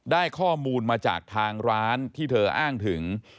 ได้ข้อมูลมาจากทางร้านที่เธออ้างถึง